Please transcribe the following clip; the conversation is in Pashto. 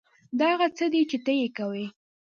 دا هغه څه دي چې ته یې کوې